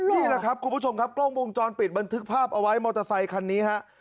นี่แหละครับคุณผู้ชมครับกล้องวงจรปิดบันทึกภาพเอาไว้มอเตอร์ไซคันนี้ฮะ